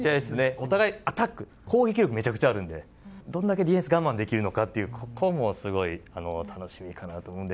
お互いアタック、攻撃力めちゃくちゃあるんで、どんだけディフェンス我慢できるのかという、ここもすごい楽しみかなと思うので。